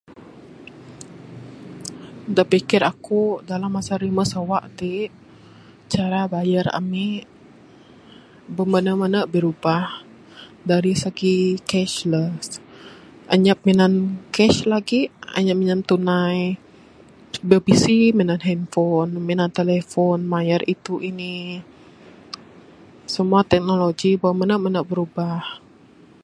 Da pikir aku dalam masa rimeh sawa ti cara bayar ami beh mene mene birubah dari segi cash ne anyap minan cash lagi anyap minan tunai. Beh bisi minan handphone minan telephone mayar itu ini. Semua teknologi beh mene mene birubah.